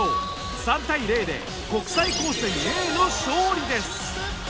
３対０で国際高専Ａの勝利です。